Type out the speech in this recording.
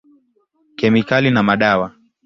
Kemikali na madawa.